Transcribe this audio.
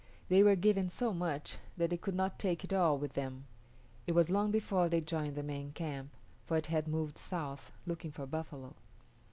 They were given so much that they could not take it all with them. It was long before they joined the main camp, for it had moved south, looking for buffalo.